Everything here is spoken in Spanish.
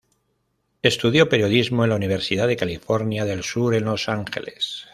Estudió periodismo en la Universidad de California del Sur en Los Ángeles.